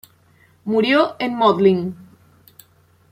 Murió en Mödling.